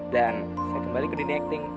dan saya kembali ke dunia acting